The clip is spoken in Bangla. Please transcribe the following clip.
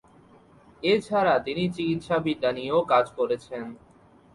এছাড়া তিনি চিকিৎসাবিদ্যা নিয়েও কাজ করেছেন।